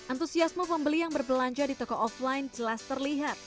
antusiasme pembeli yang berbelanja di toko offline jelas terlihat